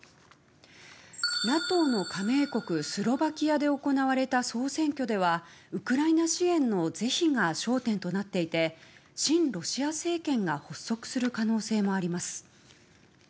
ＮＡＴＯの加盟国スロバキアで行われた総選挙ではウクライナ支援の是非が焦点となっていて親ロシア政権が発足する可能性もあります。